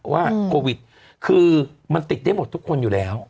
ว่าโควิดคือมันติดได้หมดทุกคนอยู่แล้ว